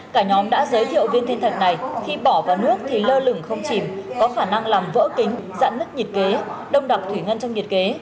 cả nhóm đã giới thiệu viên thiên thạch này khi bỏ vào nước thì lơ lửng không chìm có khả năng làm vỡ kính dãn nứt nhịp kế đông đặc thủy ngân trong nhiệt kế